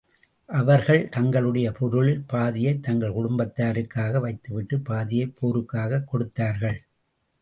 அவர்கள் தங்களுடைய பொருளில் பாதியைத் தங்கள் குடும்பத்தாருக்காக வைத்துவிட்டு, பாதியைப் போருக்காகக் கொடுத்தார்கள்.